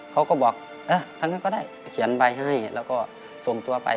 เขาก็บอกทางนั้นก็ได้เขียนใบให้แล้วก็ส่งตัวไป